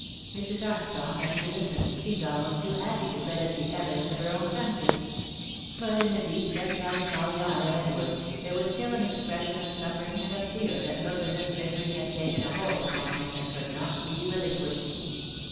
Mrs. Armstrong, as she listened, seemed almost too happy to credit the evidence of her own senses ; but in the deep set melancholy eye of Edward, there was still an expression of suffering and of fear that looked as if misery had taken a hold upon him that could not be re linquished.